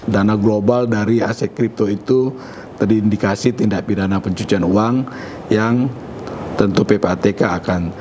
dana global dari aset kripto itu terindikasi tindak pidana pencucian uang yang tentu ppatk akan